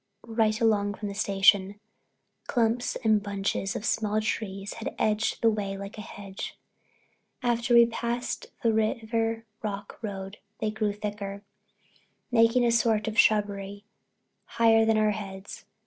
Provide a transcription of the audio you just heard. Right along from the station, clumps and bunches of small trees had edged the way like a hedge. After we passed the Riven Rock Road they grew thicker, making a sort of shrubbery higher than our heads.